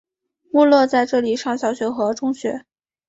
穆勒在这里上小学和中学。